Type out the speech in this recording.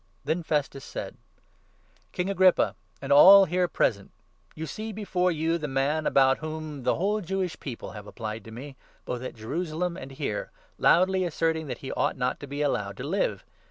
Then Festus said : 24 " King Agrippa, and all here present, you see before you the man about whom the whole Jewish people have applied to me, both at Jerusalem and here, loudly asserting that he ought not to be allowed to live.